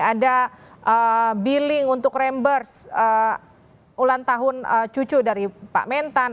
ada billing untuk rambers ulang tahun cucu dari pak mentan